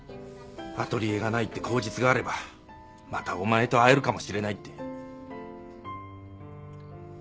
アトリエがないって口実があればまたお前と会えるかもしれないって。